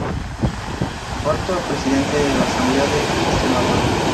Cuarto presidente de la Asamblea de Extremadura.